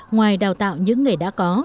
ngoài đào tạo những nghề đã có